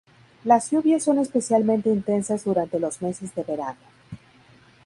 Las lluvias son especialmente intensas durante los meses de verano.